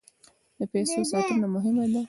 د پیسو ساتنه مهمه ده.